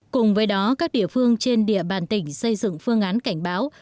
cùng với đó các địa phương trên địa bàn tỉnh xây dựng phương án cảnh báo